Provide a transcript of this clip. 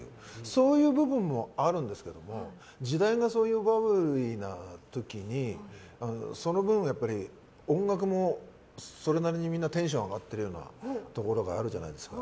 そういう部分もあるんですけども時代がそういうバブリーな時にその分、音楽もそれなりにみんなテンションが上がっているようなところがあるじゃないですか。